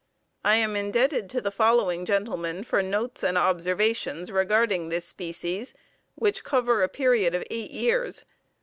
I am indebted to the following gentlemen for notes and observations regarding this species, which cover a period of eight years.